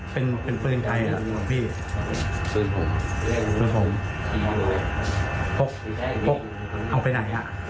เป็นเป็นปืนไทยอ่ะหลวงพี่ปืนผมปืนผมพกเอาไปไหนฮะ